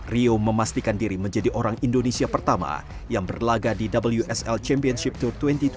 ryo memastikan diri menjadi orang indonesia pertama yang berlaga di wsl championship tour dua ribu dua puluh tiga